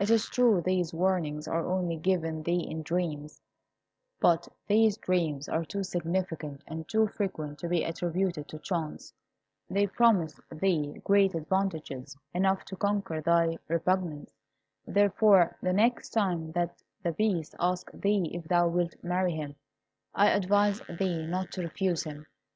It is true these warnings are only given thee in dreams; but these dreams are too significant and too frequent to be attributed to chance. They promise thee great advantages, enough to conquer thy repugnance. Therefore, the next time that the Beast asks thee if thou wilt marry him, I advise thee not to refuse him.